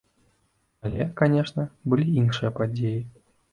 Але, канешне, былі іншыя падзеі.